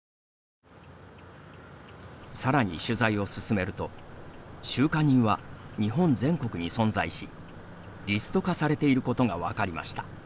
さらに取材を進めると収貨人は日本全国に存在しリスト化されていることが分かりました。